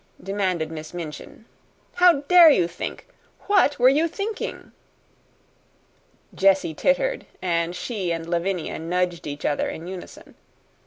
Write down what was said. demanded Miss Minchin. "How dare you think? What were you thinking?" Jessie tittered, and she and Lavinia nudged each other in unison.